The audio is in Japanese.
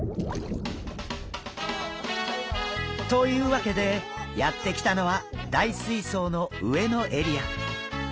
というわけでやって来たのは大水槽の上のエリア。